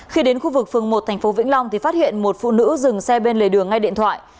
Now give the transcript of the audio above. khi đến khu vực phường một tp vĩnh long thì phát hiện một phụ nữ dừng xe bên lề đường ngay điện thoại